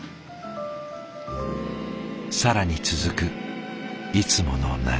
更に続くいつもの流れ。